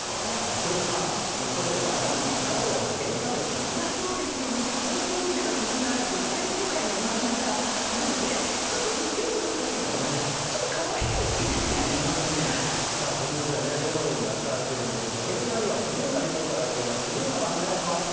伊藤さん、もうこれ、そうですよ、もう高層ビルが建ち並ぶ大都会の真ん中なので、ちょっとびっくりしましたけど、さあ、地元ではどのように扱われているんでしょうか、現場には藤村リポーターが行っています。